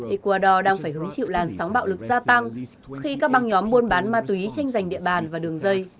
ecuador đang phải hướng chịu làn sóng bạo lực gia tăng khi các băng nhóm buôn bán ma túy tranh giành địa bàn và địa phương